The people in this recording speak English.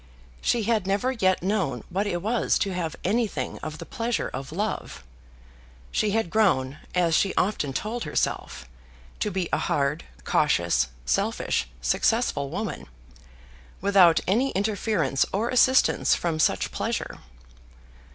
She had never yet known what it was to have anything of the pleasure of love. She had grown, as she often told herself, to be a hard, cautious, selfish, successful woman, without any interference or assistance from such pleasure.